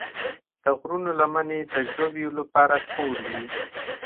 د غرونو لمنې د ژویو لپاره کور وي.